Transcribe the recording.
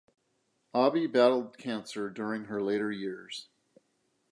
Abi battled cancer during her later years.